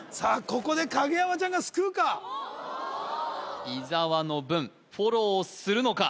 ここで影山ちゃんが救うか伊沢の分フォローするのか？